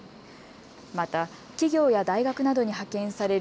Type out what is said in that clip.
また企業や大学などに派遣される